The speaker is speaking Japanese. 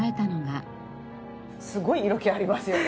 すごい色気ありますよね。